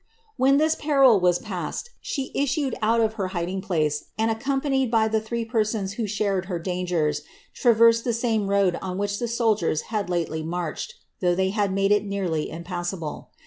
When this peril was issed, she issued out of her hiding place, and, accompanied by the three Rions who had shared her dangers, traversed the same road on which le soldiers had lately marched, though they had made it nearly im usable.